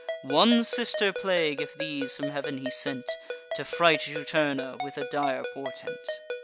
One sister plague if these from heav'n he sent, To fright Juturna with a dire portent.